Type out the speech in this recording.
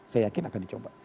saya yakin akan dicoba